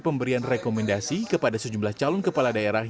pemberian rekomendasi kepada sejumlah calon kepala daerah